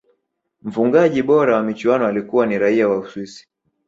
mfungaji bora wa michuano alikuwa ni raia wa uswisi